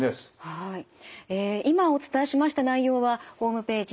ええ今お伝えしました内容はホームページ